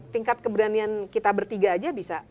tingkat keberanian kita bertiga aja bisa